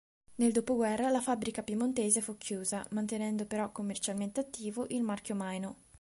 Nel dopoguerra la fabbrica piemontese fu chiusa, mantenendo però commercialmente attivo il marchio "Maino".